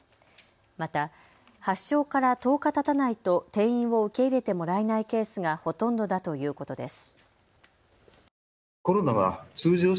また発症から１０日たたないと転院を受け入れてもらえないケースがほとんどだということです。